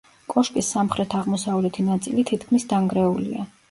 კოშკის სამხრეთ-აღმოსავლეთი ნაწილი თითქმის დანგრეულია.